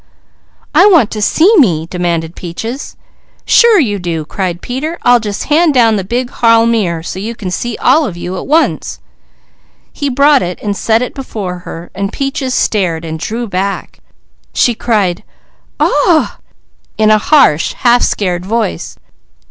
"I want to see me!" demanded Peaches. "Sure you do!" cried Peter. "I'll just hand down the big hall mirror so you can see all of you at once." He brought it and set it before her. Peaches stared and drew back. She cried, "Aw w ah!" in a harsh, half scared voice.